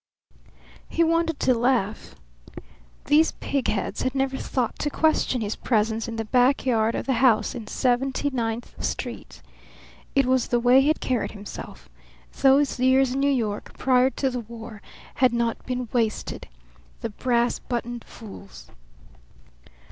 He wanted to laugh. These pigheads had never thought to question his presence in the backyard of the house in Seventy ninth Street. It was the way he had carried himself. Those years in New York, prior to the war, had not been wasted. The brass buttoned fools!